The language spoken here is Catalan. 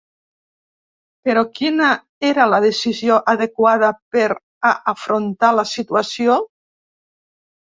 Però quina era la decisió adequada per a afrontar la situació?